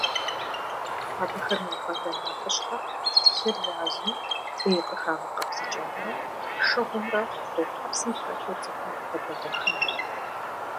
Абыхэм я къалэн нэхъыщхьэр - лъыр язу, ӏей къыхагъэкъэбзыкӏамрэ шыгъумрэ гъутхьэпсым хэлъу цӏыхум къыдэгъэхынырщ.